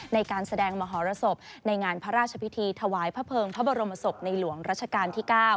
ในการแสดงมหรสบในงานพระราชพิธีถวายพระเภิงพระบรมศพในหลวงรัชกาลที่๙